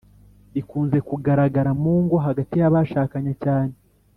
rikunze kugaragara mu ngo hagati y’abashakanye cyane